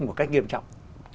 một cách nghiêm trọng